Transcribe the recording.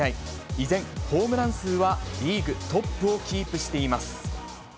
依然、ホームラン数はリーグトップをキープしています。